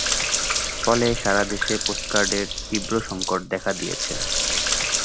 ফলে সারা দেশে পোস্টকার্ডের তীব্র সংকট দেখা দিয়েছে।